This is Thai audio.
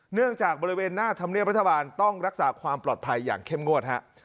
เนื่องจากบริเวณหน้าธรรมเนียบรัฐบาลต้องรักษาความปลอดภัยอย่างเข้มงวดฮะ